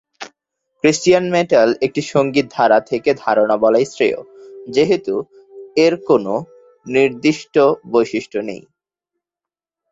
Cristian metal একটি সঙ্গীত ধারা থেকে ধারণা বলাই শ্রেয় যেহেতু এর নির্দিষ্ট কোন বৈশিষ্ট্য নেই।